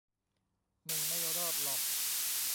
มึงไม่รอดหรอก